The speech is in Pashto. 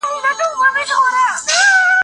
زه پرون زدکړه کوم؟